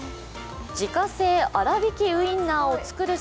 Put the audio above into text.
自家製荒挽きウインナーを作る